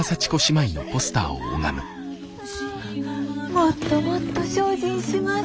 もっともっと精進します。